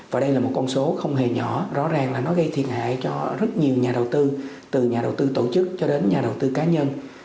và đây là một con số không hề nhỏ rõ ràng là nó gây thiệt hại cho rất nhiều nhà đầu tư từ nhà đầu tư tổ chức cho đến nhà đầu tư cá nhân